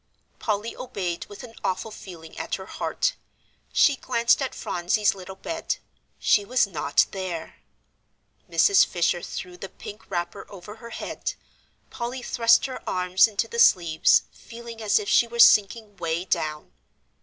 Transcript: Polly obeyed with an awful feeling at her heart. She glanced at Phronsie's little bed; she was not there! Mrs. Fisher threw the pink wrapper over her head; Polly thrust her arms into the sleeves, feeling as if she were sinking way down.